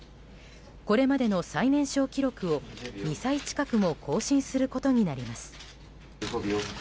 これまでの最年少記録を２歳近くも更新することになります。